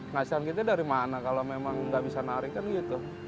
ngasihkan kita dari mana kalau memang nggak bisa narikkan gitu